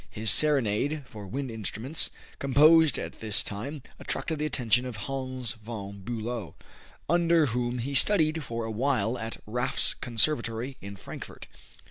His "Serenade" for wind instruments, composed at this time, attracted the attention of Hans von Bülow, under whom he studied for a while at Raff's conservatory in Frankfort.